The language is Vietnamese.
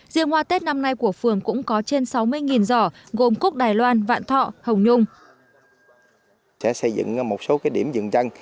riêng hoa tết năm nay của phường cũng có trên sáu mươi giỏ gồm cúc đài loan vạn thọ hồng nhung